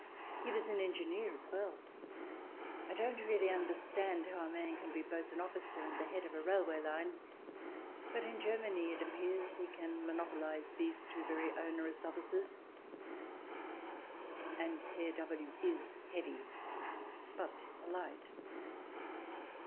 He was an engineer as well. I don't really understand how a man can be both an officer and the head of a railway line, but in Germany, it appears, he can monopolize these two CH. XV] "DRIZZLING" AND OFFICERS 207 very onerous offices. And Herr W is heavy but polite.